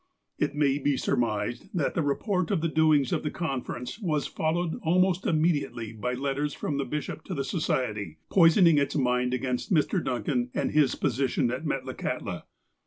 It may be surmised that the report of the doings of the conference was followed almost immediately by letters from the bishop to the Society, poisoning its mind against Mr. Duncan and his position at Metlakahtla.